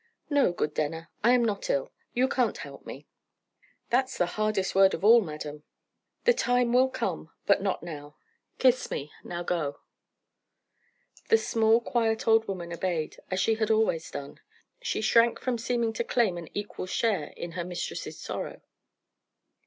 "No, good Denner; I am not ill. You can't help me." "That's the hardest word of all, madam." "The time will come but not now. Kiss me. Now go." The small quiet old woman obeyed, as she had always done. She shrank from seeming to claim an equal's share in her mistress's sorrow.